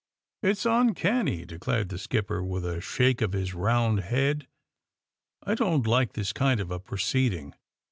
^^It's uncanny," declared the skipper, with a shake of his round head. ^^ I don 't like this kind of a proceeding."